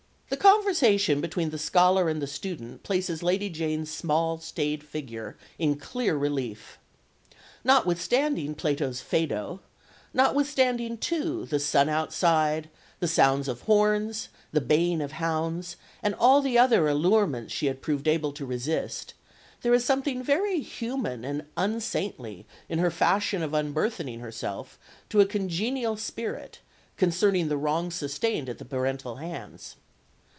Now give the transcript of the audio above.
The conversation between the scholar and the student places Lady Jane's small staid figure in clear relief. Notwithstanding Plato's Phaedo, notwithstanding, too, the sun outside, the sounds of horns, the baying of hounds, and all the other allurements she had proved able to resist, there is something very human and unsaintly in her fashion of unburthening herself to a congenial spirit concerning the wrongs sustained at the parental hands.